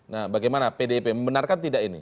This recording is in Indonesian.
nah bagaimana pdip membenarkan tidak ini